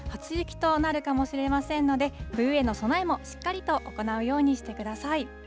初雪となるかもしれませんので、冬への備えもしっかりと行うようにしてください。